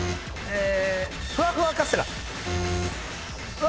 ふわふわカステラ。